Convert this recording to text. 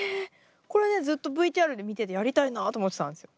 これねずっとＶＴＲで見ててやりたいなと思ってたんですよ。